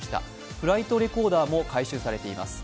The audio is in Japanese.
フライトレコーダーも回収されています。